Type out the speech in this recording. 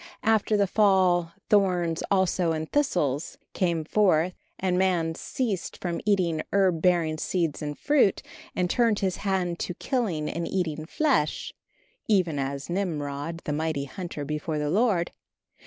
After the fall "thorns also and thistles" came forth, and man ceased from eating herb bearing seed and fruit, and turned his hand to killing and eating flesh "even as Nimrod, the mighty hunter before the Lord."